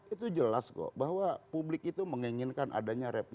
itu jelas kok bahwa publik itu menginginkan adanya repisi